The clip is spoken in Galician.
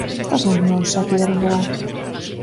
Estas reunións xa tiveron lugar.